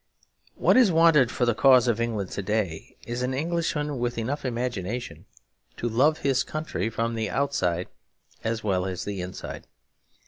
What is wanted for the cause of England to day is an Englishman with enough imagination to love his country from the outside as well as the inside.